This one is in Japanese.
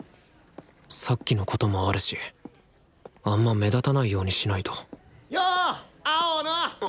さっきのこともあるしあんま目立たないようにしないとよう青野！